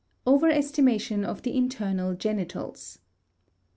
*Overestimation of the Internal Genitals.